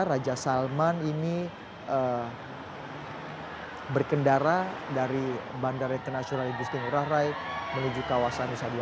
raja salman ini berkendara dari bandara internasional ibusi ngurah raya menuju kawasan nusa dua